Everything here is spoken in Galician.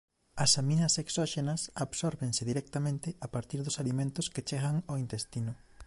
As aminas exóxenas absórbense directamente a partir dos alimentos que chegan ao intestino.